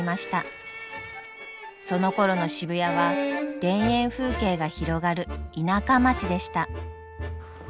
そのころの渋谷は田園風景が広がる田舎町でした。